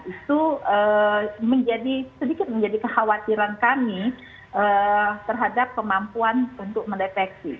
itu sedikit menjadi kekhawatiran kami terhadap kemampuan untuk mendeteksi